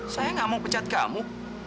saya gak mau pecat kamu